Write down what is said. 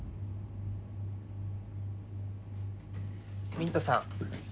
・ミントさん。